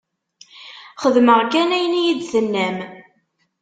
Xedmeɣ kan ayen i yi-d-tennam.